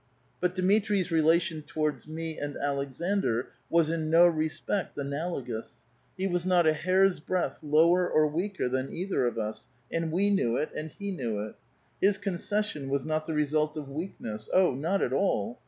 But Dmitri's relation towards me and Aleksandr was in no respect analogous. He was not a hair's breadth lower or weaker than either of us, and we knew it and he knew it. His concession was not the result of weakness. Oh, not at all.